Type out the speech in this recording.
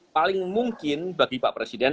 paling mungkin bagi pak presiden